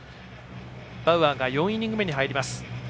バウアーが４イニング目に入ります。